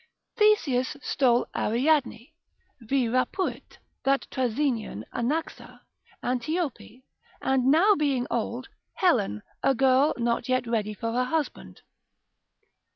Theseus stole Ariadne, vi rapuit that Trazenian Anaxa, Antiope, and now being old, Helen, a girl not yet ready for a husband.